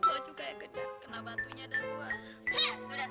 ketiga pada mulai oke bersih